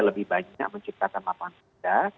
lebih banyak menciptakan lapangan kerja